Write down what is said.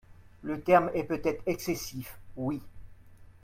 le terme est peut-être excessif, Oui